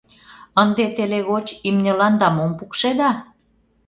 Ынде теле гоч имньыланда мом пукшеда?